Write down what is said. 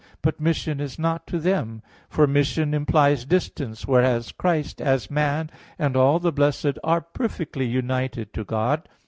But mission is not to them, for mission implies distance, whereas Christ, as man, and all the blessed are perfectly united to God.